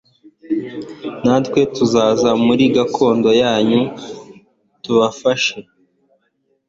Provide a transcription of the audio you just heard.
natwe tuzaza muri gakondo yanyu+ tubafashe